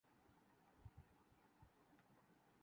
جب چوہدری نثار کے گھر پر حملہ ہوا۔